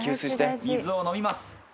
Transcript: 水を飲みます。